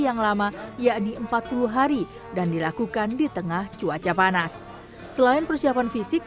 yang lama yakni empat puluh hari dan dilakukan di tengah cuaca panas selain persiapan fisik